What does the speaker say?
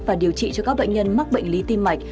và điều trị cho các bệnh nhân mắc bệnh lý tim mạch